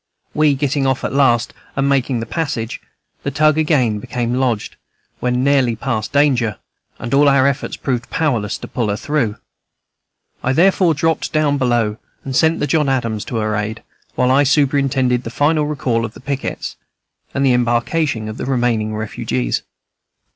We getting off at last, and making the passage, the tug again became lodged, when nearly past danger, and all our efforts proved powerless to pull her through. I therefore dropped down below, and sent the John Adams to her aid, while I superintended the final recall of the pickets, and the embarkation of the remaining refugees.